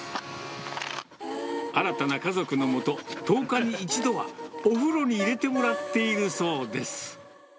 新たな家族のもと、１０日に１度はお風呂に入れてもらっているそうです。